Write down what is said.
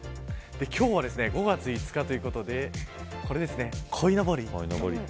今日は５月５日ということでこれですね、こいのぼり。